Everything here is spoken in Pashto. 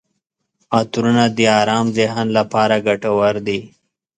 عطرونه د ارام ذهن لپاره ګټور دي.